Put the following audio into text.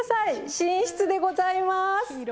寝室でございます。